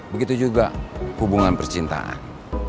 begitu juga hubungan percintaan